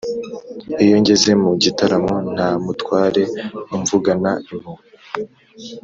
iyo ngeze mu gitaramo nta mutware umvugana impuhwe,